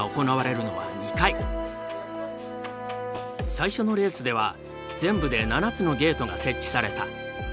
最初のレースでは全部で７つのゲートが設置された。